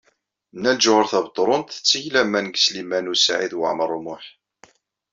Nna Lǧuheṛ Tabetṛunt tetteg laman deg Sliman U Saɛid Waɛmaṛ U Muḥ.